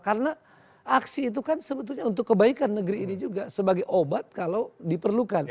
karena aksi itu kan sebetulnya untuk kebaikan negeri ini juga sebagai obat kalau diperlukan